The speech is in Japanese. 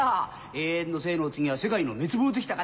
永遠の生のお次は世界の滅亡ときたか。